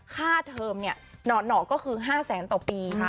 เทอมเนี่ยหน่อก็คือ๕แสนต่อปี